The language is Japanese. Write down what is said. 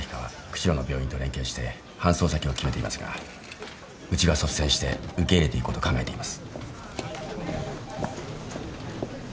釧路の病院と連携して搬送先を決めていますがうちが率先して受け入れていこうと考えています。